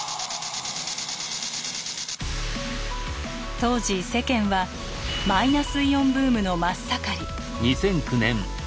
当時世間はマイナスイオンブームの真っ盛り。